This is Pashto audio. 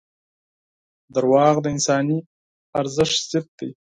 • دروغ د انساني ارزښت ضد دي.